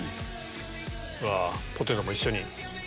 うわポテトも一緒に。